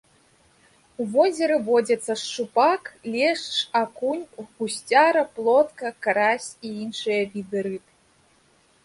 У возеры водзяцца шчупак, лешч, акунь, гусцяра, плотка, карась і іншыя віды рыб.